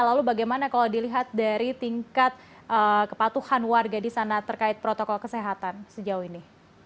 lalu bagaimana kalau dilihat dari tingkat kepatuhan warga di sana terkait protokol kesehatan sejauh ini